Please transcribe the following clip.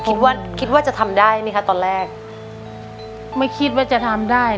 คิดว่าคิดว่าจะทำได้ไหมคะตอนแรกไม่คิดว่าจะทำได้